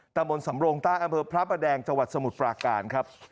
ตะบนสำโรงใต้อำเภอพระประแดงจังหวัดสมุทรปราการครับ